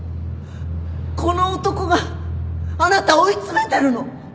この男があなたを追い詰めてるの。